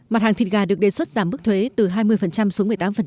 mặt hàng thịt gà được đề xuất giảm mức thuế từ hai mươi xuống một mươi tám